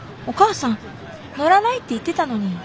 お母さん乗らないって言ってたのに。